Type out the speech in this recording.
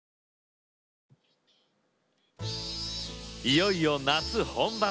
いよいよ夏本番。